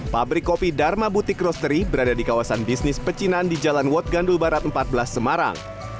pabrik kopi dharma butik rosteri berada di kawasan bisnis pecinan di jalan wat gandul barat empat belas semarang